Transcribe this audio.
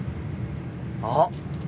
あっ。